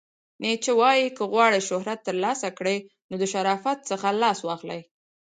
نیچه وایې، که غواړئ شهرت ترلاسه کړئ نو د شرافت څخه لاس واخلئ!